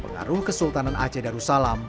melaruh kesultanan aceh darussalam